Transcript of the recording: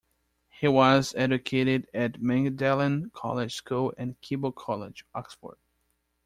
He was educated at Magdalen College School and Keble College, Oxford.